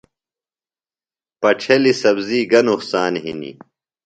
پڇھیلیۡ سبزی گہ نقصان ہِنیۡ؟